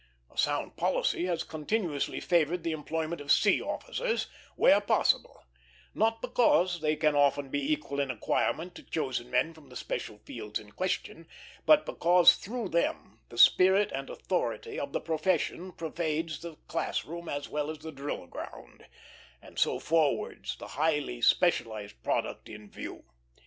A sound policy has continuously favored the employment of sea officers, where possible; not because they can often be equal in acquirement to chosen men from the special fields in question, but because through them the spirit and authority of the profession pervades the class room as well as the drill ground, and so forwards the highly specialized product in view.